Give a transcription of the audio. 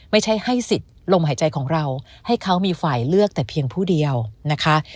ให้สิทธิ์ลมหายใจของเราให้เขามีฝ่ายเลือกแต่เพียงผู้เดียวนะคะ